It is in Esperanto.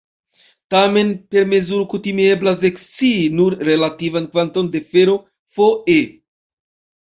Tamen per mezuro kutime eblas ekscii nur relativan kvanton de fero Fe.